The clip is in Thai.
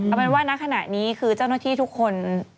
เอาเป็นว่าณขณะนี้คือเจ้าหน้าที่ทุกคน